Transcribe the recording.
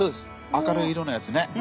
明るい色のやつね。